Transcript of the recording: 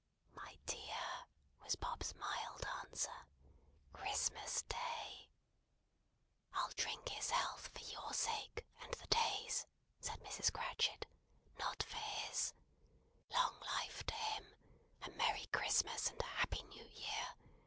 "My dear," was Bob's mild answer, "Christmas Day." "I'll drink his health for your sake and the Day's," said Mrs. Cratchit, "not for his. Long life to him! A merry Christmas and a happy new year!